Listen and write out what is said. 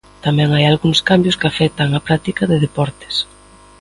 Tamén hai algúns cambios que afectan á práctica de deportes.